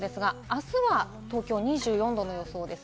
あすは東京２４度の予想です。